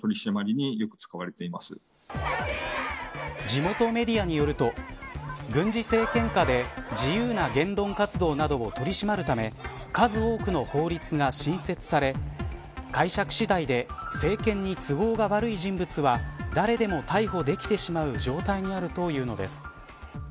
地元メディアによると軍事政権下で自由な言論活動などを取り締まるため数多くの法律が新設され解釈次第で政権に都合が悪い人物は誰でも逮捕できてしまう状態にあるというのです。